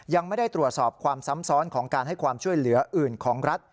ยังไม่ได้ตรวจสอบความซ้ำซ้อนของการให้ความช่วยเหลืออื่นของรัฐ